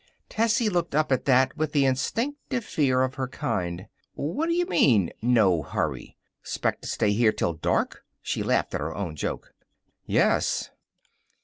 Tessie looked up at that with the instinctive fear of her kind. "What d'you mean, no hurry! 'Spect to stay here till dark?" She laughed at her own joke. "Yes."